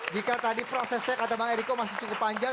jika tadi prosesnya kata bang eriko masih cukup panjang